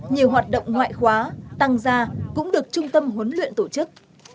nhiều hoạt động ngoại khóa tăng ra cũng được trung tâm huấn luyện tổ chức